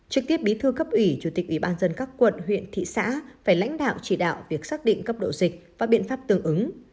trực tiếp bí thư cấp ủy chủ tịch ủy ban dân các quận huyện thị xã phải lãnh đạo chỉ đạo việc xác định cấp độ dịch và biện pháp tương ứng